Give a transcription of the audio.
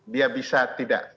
dia bisa atau tidak